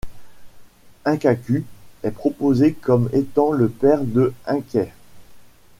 Inkaku est proposé comme étant le père de Inkei.